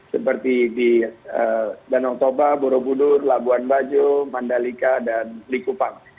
seperti di danau toba borobudur labuan bajo mandalika dan likupang